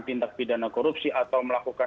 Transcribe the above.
tindak pidana korupsi atau melakukan